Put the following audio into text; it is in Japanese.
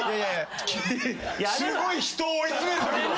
すごい人を追いつめる。